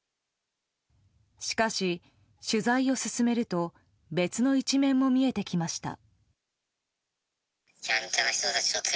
しかし、取材を進めると別の一面も見えてきました。